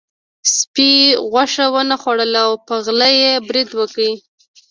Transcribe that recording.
سپي غوښه ونه خوړله او په غل یې برید وکړ.